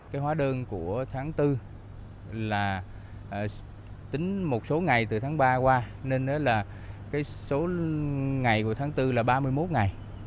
cái hóa đơn của tháng bốn là tính một số ngày từ tháng ba qua nên là cái số ngày của tháng bốn là ba mươi một ngày